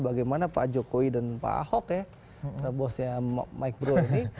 bagaimana pak jokowi dan pak ahok ya bosnya micro ini